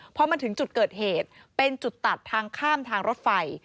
พอมาถึงจุดเกิดเหตุเป็นจุดตัดทางข้ามทางรถไฟ